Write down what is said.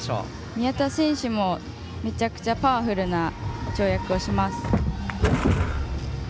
宮田選手もめちゃくちゃパワフルな跳躍をします。